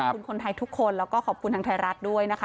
คนไทยทุกคนแล้วก็ขอบคุณทางไทยรัฐด้วยนะคะ